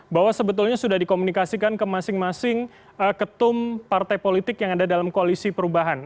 bahwa sebetulnya sudah dikomunikasikan ke masing masing ketum partai politik yang ada dalam koalisi perubahan